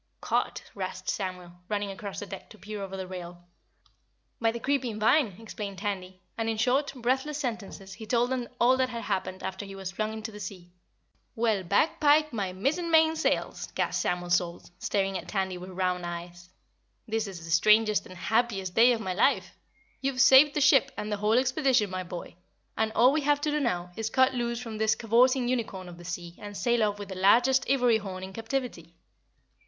"Caught?" rasped Samuel, running across the deck to peer over the rail. "By the creeping vine," explained Tandy, and in short, breathless sentences he told them all that had happened after he was flung into the sea. "Well, bagpipe my mizzenmain sails!" gasped Samuel Salt, staring at Tandy with round eyes. "This is the strangest and happiest day of my life. You've saved the ship and the whole expedition, my boy, and all we have to do now is cut loose from this cavorting unicorn of the sea and sail off with the largest ivory horn in captivity.